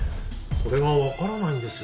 それが分からないんですよね。